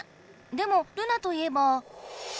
でもルナといえば。